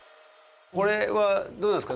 これはどうなんですか？